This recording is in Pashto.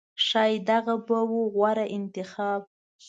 ښایي دغه به و غوره انتخاب